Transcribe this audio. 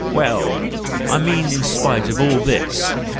Well—I mean in spite of all this!